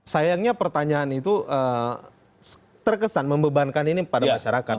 sayangnya pertanyaan itu terkesan membebankan ini pada masyarakat